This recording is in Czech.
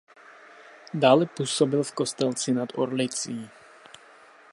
Dále působil v Kostelci nad Orlicí.